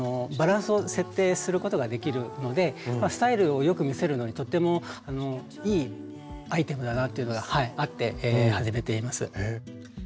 バランスを設定することができるのでスタイルを良く見せるのにとってもいいアイテムだなというのがあって始めています。